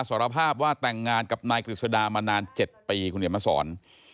สารภาพว่าแต่งงานกับนายกฤษดามานาน๗ปีคุณเห็นมาสอน